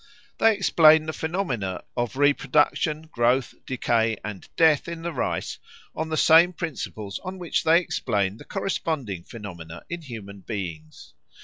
They explain the phenomena of reproduction, growth, decay, and death in the rice on the same principles on which they explain the corresponding phenomena in human beings.